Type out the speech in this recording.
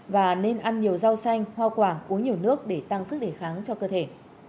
và nên ăn nhiều rau xanh hoa quả uống nhiều nước để tăng sức đề kháng cho cơ thể